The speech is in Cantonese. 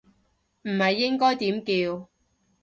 唔係應該點叫